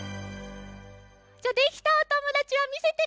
じゃあできたおともだちはみせてください！